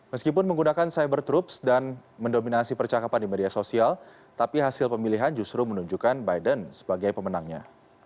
meskipun menggunakan cyber troops dan mendominasi percakapan di media sosial tapi hasil pemilihan justru menunjukkan biden sebagai pemenangnya